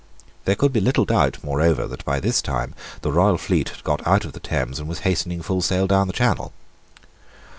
There could be little doubt, moreover, that by this time the royal fleet had got out of the Thames and was hastening full sail down the Channel.